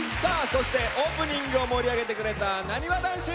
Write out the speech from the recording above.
そしてオープニングを盛り上げてくれたなにわ男子！